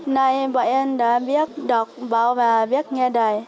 nay bọn em đã biết đọc báo và viết nghe đài